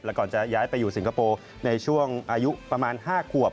ก่อนจะย้ายไปอยู่สิงคโปร์ในช่วงอายุประมาณ๕ขวบ